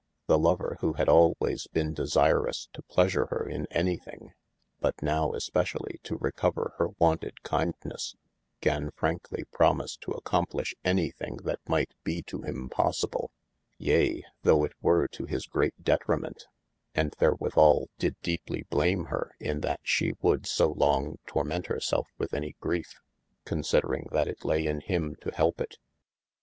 The lover who had alwayes bene desirous to pleasure hir in any thing, but now especially to recover hir wonted kindnesse, gan franklye promise to accomplishe any thing that might be to him possible, yea, though it were to his great detriment, and therewithall, dyd deepely blame hir in that shee would so long torment hir selfe with any griefe, considering that it lay in him to helpe it.